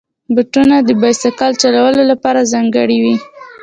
بوټونه د بایسکل چلولو لپاره ځانګړي وي.